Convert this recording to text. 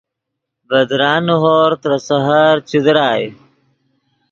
ڤے درانے ہورغ ترے سحر چے درائے